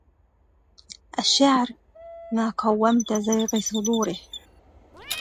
الشعر ما قومت زيغ صدوره